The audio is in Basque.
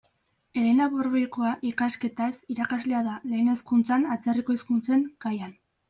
Elena Borboikoa, ikasketaz, irakaslea da, lehen hezkuntzan, atzerriko hizkuntzen gaian.